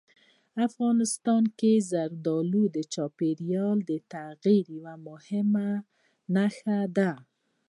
افغانستان کې زردالو د چاپېریال د تغیر یوه مهمه نښه ده.